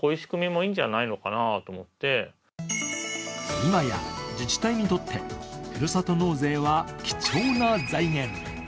今や自治体にとってふるさと納税は貴重な財源。